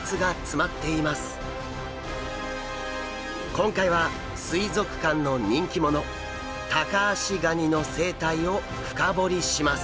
今回は水族館の人気者タカアシガニの生態を深掘りします！